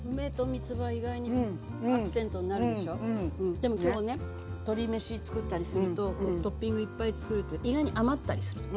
でも鶏めし作ったりするとトッピングいっぱい作ると意外に余ったりする。